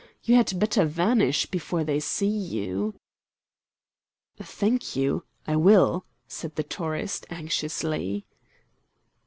You had better vanish before they see you." "Thank you. I will," said the tourist, anxiously.